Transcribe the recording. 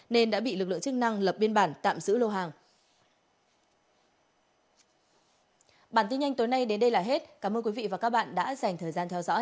nên đã bị lực lượng chức năng lập biên bản tạm giữ lô hàng